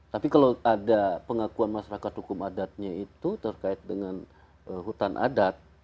tapi kalau ada pengakuan masyarakat hukum adatnya itu terkait dengan hutan adat